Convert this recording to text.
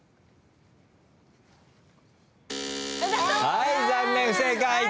はい残念不正解！